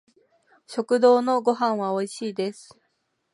食堂のご飯は美味しいです